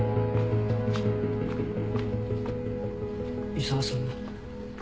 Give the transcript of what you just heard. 伊沢さんは。